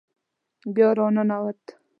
بیا را ننوت.